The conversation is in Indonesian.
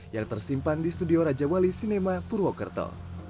yang tersimpan di studio raja wali sinema purwokerto